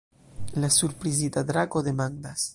La surprizita drako demandas.